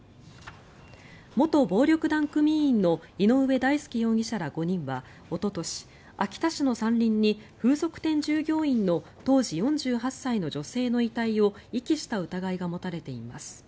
元暴力団組員の井上大輔容疑者ら５人はおととし秋田市の山林に、風俗店従業員の当時４８歳の女性の遺体を遺棄した疑いが持たれています。